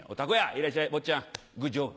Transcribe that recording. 「いらっしゃい坊ちゃんグッジョブ」